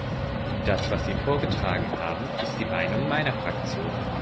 Das, was Sie vorgetragen haben, ist die Meinung meiner Fraktion.